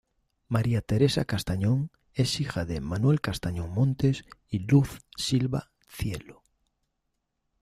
María Teresa Castañón es hija de Manuel Castañón Montes y Luz Silva Cielo.